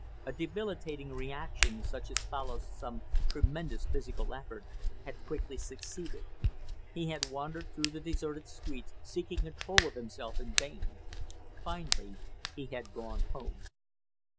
A debilitating reaction, such as follows some tremendous physical effort, had quickly succeeded. He had wandered through the deserted streets seeking control of himself in vain. Finally he had gone home.